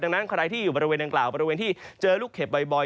ดังนั้นใครที่อยู่บริเวณดังกล่าวบริเวณที่เจอลูกเห็บบ่อย